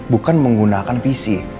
bukan menggunakan pc